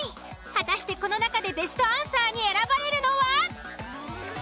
果たしてこの中でベストアンサーに選ばれるのは？